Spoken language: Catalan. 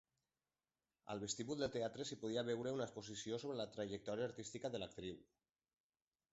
Al vestíbul del teatre s'hi podia veure una exposició sobre la trajectòria artística de l'actriu.